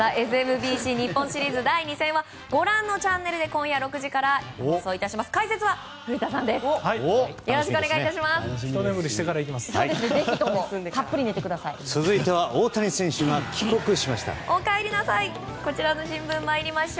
ＳＭＢＣ日本シリーズ第２戦はご覧のチャンネルで今夜６時から放送いたします。